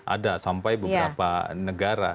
ada sampai beberapa negara